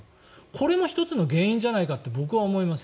これも１つの原因じゃないかと僕は思います。